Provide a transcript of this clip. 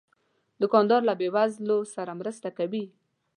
دوکاندار له بې وزلو سره مرسته کوي.